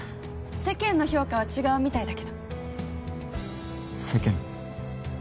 世間の評価は違うみたいだけど世間？